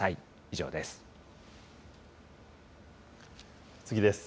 以上です。